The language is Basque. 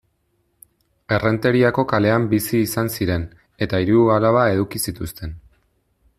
Errenteriako kalean bizi izan ziren, eta hiru alaba eduki zituzten.